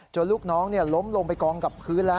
จนลูกน้องเนี่ยล้มลงไปก่องกลับพื้น